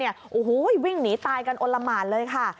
โอ้โหวิ่งหนีตายกันอลละหมานเลยค่ะ